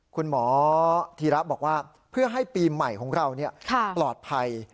คุณหมอทีรับบอกว่าเพื่อให้ปีใหม่ของเราเนี่ยค่ะปลอดภัย